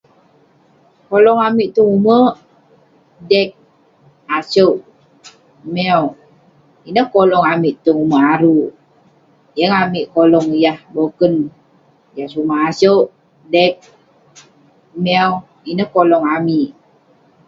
Kolong amik tong umek dek, asuek, miow ineh kolong amik tong umek aruk yeng amik koluk yah boken jah sumak asuek, dek miow ineh kolong amik